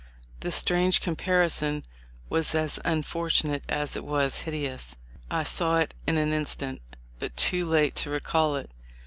The strange comparison was as unfortunate as it was hideous. I saw it in an instant, but too late to recall it.